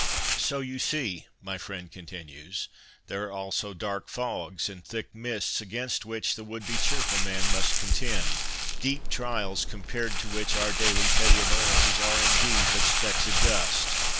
' So you see,' my friend continues, ' there are also dark fogs and thick mists against which the would be cheerful man must contend — deep trials compared to which our daily petty annoyances are, indeed, but specks of dust.